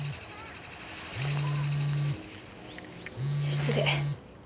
失礼。